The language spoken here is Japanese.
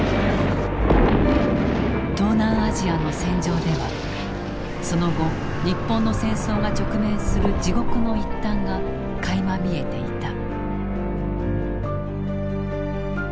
東南アジアの戦場ではその後日本の戦争が直面する地獄の一端がかいま見えていた。